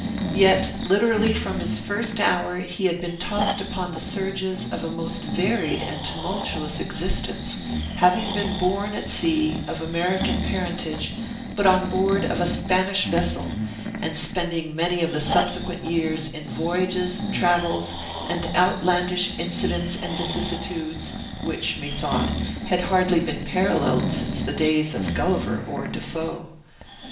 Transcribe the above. Yet, literally from his first hour, he had been tossed upon the surges of a most varied and tumultuous existence, having been born at sea, of American parentage, but on board of a Spanish vessel, and spending many of the subsequent years in voyages, travels, and outlandish incidents and vicissitudes, which, methought, had hardly been paralleled since the days of Gulliver or De Foe.